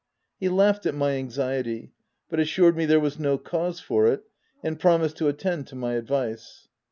He laughed at my anxiety, but assured me there w r as no cause for it, and promised to attend to my advice.